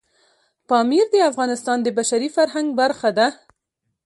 پامیر د افغانستان د بشري فرهنګ برخه ده.